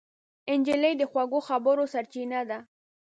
نجلۍ د خوږو خبرو سرچینه ده.